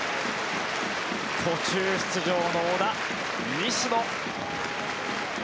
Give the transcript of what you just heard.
途中出場の小田、西野。